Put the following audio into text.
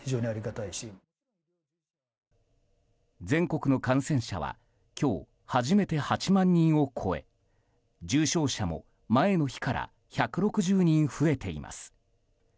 全国の感染者は今日、初めて８万人を超え重症者も前の日から１６０人増えています。